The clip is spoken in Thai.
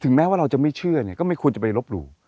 แม้ว่าเราจะไม่เชื่อเนี่ยก็ไม่ควรจะไปลบหลู่